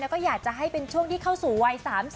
แล้วก็อยากจะให้เป็นช่วงที่เข้าสู่วัย๓๐